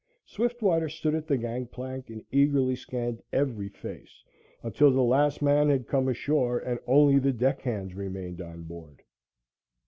Swiftwater stood at the gang plank and eagerly scanned every face until the last man had come ashore and only the deck hands remained on board.